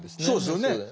そうですよね。